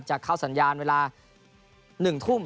จะเข้าสัญญาณเวลา๑ทุ่ม